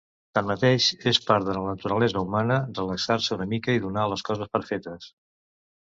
Tanmateix, és part de la naturalesa humana relaxar-se una mica i donar les coses per fetes.